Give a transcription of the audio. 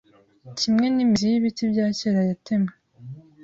Kimwe nimizi yibiti bya kera yatemwe